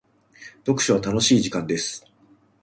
読書は楽しい時間です。